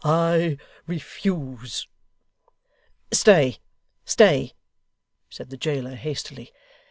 I refuse.' 'Stay stay!' said the jailer, hastily.